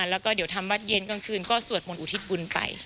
แล้วก็เดี๋ยวทำวัดเย็นกลางคืนก็สวดมนต์อุทิศบุญไป